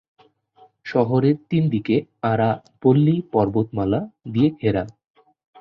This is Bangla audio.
শহরের তিন দিক আরাবল্লী পর্বত মালা দিয়ে ঘেরা।